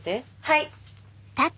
はい。